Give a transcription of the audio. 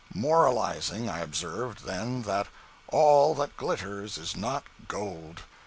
Moralizing, I observed, then, that "all that glitters is not gold."